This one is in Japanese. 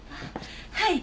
はい。